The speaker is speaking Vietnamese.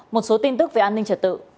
một số tin tức về an ninh trật tự